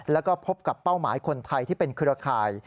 แล้วก็พบกับเป้าหมายคนไทยที่เป็นเครือข่าย